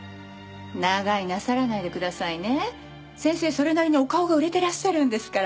それなりにお顔が売れてらっしゃるんですから。